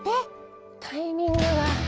タイミングが。